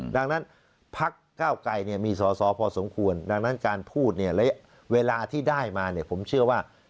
ดังนั้นพักเก้าไก่มีสอสอพอสมควรดังนั้นการพูดเวลาที่ได้มาผมเชื่อว่า